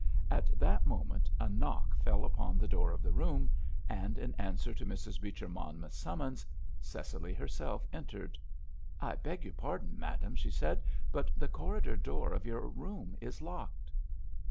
At that moment a knock fell upon the door of the room, and in answer to Mrs. Beecher Monmouth's summons, Cecily herself entered. "I beg your pardon, madame," she said, "but the corridor door of your room is locked."